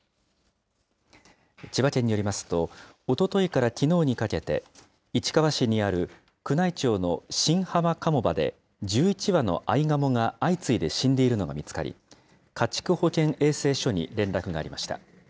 千葉県によりますと、おとといからきのうにかけて、市川市にある宮内庁の新浜鴨場で、１１羽のアイガモが相次いで死んでいるのが見つかり、家畜保健衛生所に連絡がありました。